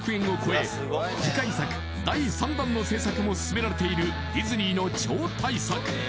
第３弾の制作も進められているディズニーの超大作